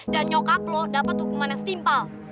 dan nyokap lo dapat hukuman yang setimpal